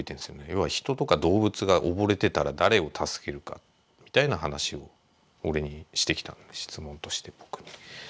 要は人とか動物が溺れてたら誰を助けるかみたいな話を俺にしてきた質問として僕に。